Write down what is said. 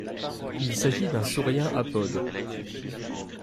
Il s'agit d'un saurien apode.